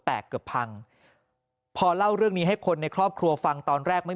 เกือบพังพอเล่าเรื่องนี้ให้คนในครอบครัวฟังตอนแรกไม่